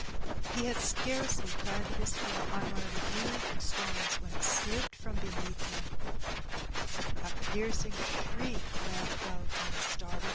He had scarcely planted his foot on one of the huge stones when it slipped from beneath him; a piercing shriek rang out on the startled "Oh, Death!